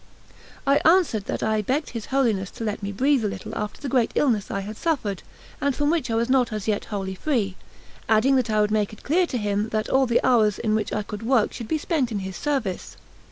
I answered that I begged his Holiness to let me breathe a little after the great illness I had suffered, and from which I was not as yet wholly free, adding that I would make it clear to him that all the hours in which I could work should be spent in his service.